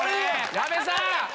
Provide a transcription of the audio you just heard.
矢部さん。